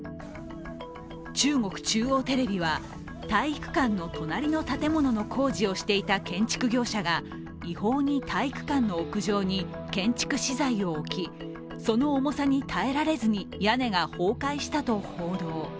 中国中央テレビは体育館の隣の建物の工事をしていた建築業者が違法に体育館の屋上に建築資材を置き、その重さに耐えられずに屋根が崩壊したと報道。